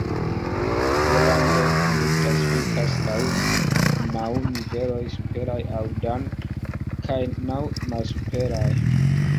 Go-rangojn oni klasifikas laŭ naŭ niveloj superaj, aŭ "Dan", kaj naŭ malsuperaj.